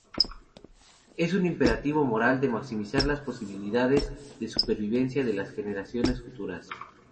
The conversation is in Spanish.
Es un imperativo moral de maximizar las posibilidades de supervivencia de las generaciones futuras.